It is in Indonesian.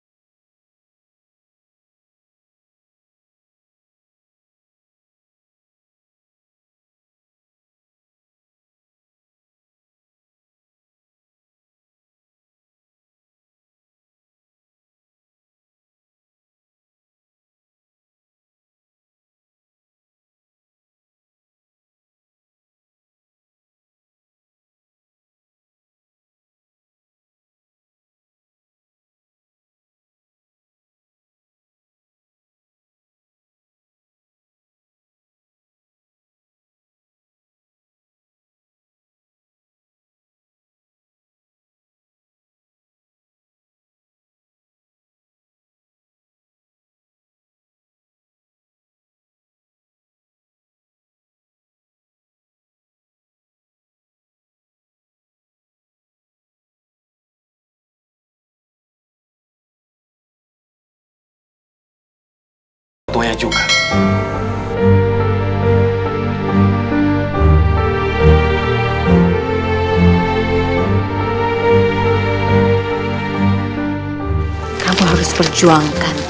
ibu anda mengalami luka dalam di kepalanya